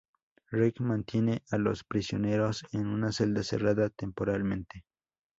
Rick mantiene a los prisioneros en una celda cerrada temporalmente.